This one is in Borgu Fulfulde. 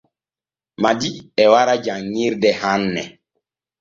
Madi e wara janŋirde hanne.